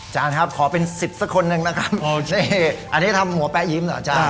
อ๋อจ้าครับขอเป็นสิบสักคนนึงนะครับอันนี้ทำใงหัวเป๊ะยื้ม